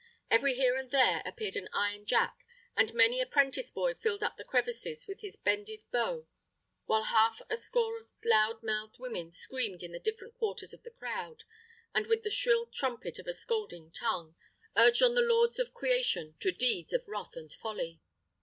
Every here and there appeared an iron jack, and many a 'prentice boy filled up the crevices with his bended bow; while half a score of loud mouthed women screamed in the different quarters of the crowd, and, with the shrill trumpet of a scolding tongue, urged on the lords of the creation to deeds of wrath and folly.